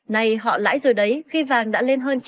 này họ lãi rồi đấy khi vàng đã lên hơn chín mươi